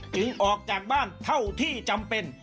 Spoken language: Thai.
ออกจากบ้านเท่าที่จำเป็น